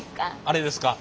あれですか。